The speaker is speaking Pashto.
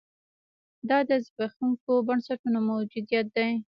دا د زبېښونکو بنسټونو موجودیت دی.